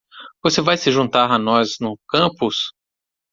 Você vai se juntar a nós no campus?